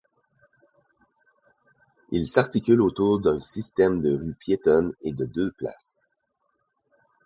Il s'articule autour d'un système de rues piétonnes et de deux places.